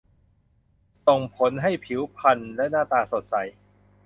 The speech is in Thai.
ส่งผลให้ผิวพรรณและหน้าตาสดใส